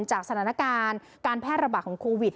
สถานการณ์การแพร่ระบาดของโควิด